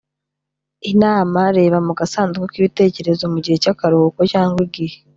I n a m a reba mu gasanduku k ibitekerezo mu gihe cy akaruhuko cyangwa igihe